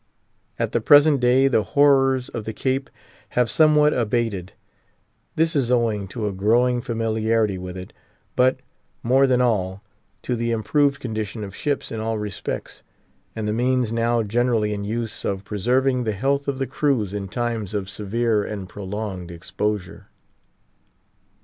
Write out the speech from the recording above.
At the present day the horrors of the Cape have somewhat abated. This is owing to a growing familiarity with it; but, more than all, to the improved condition of ships in all respects, and the means now generally in use of preserving the health of the crews in times of severe and prolonged exposure.